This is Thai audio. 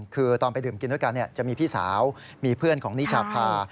คือตอนไปดื่มกินด้วยกันจะมีพี่สาวมีเพื่อนของนิชาพา